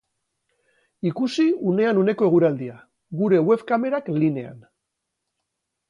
Ikusi unean uneko eguraldia, gure web-kamerak linean.